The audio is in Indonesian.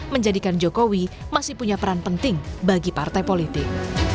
menjadikan jokowi masih punya peran penting bagi partai politik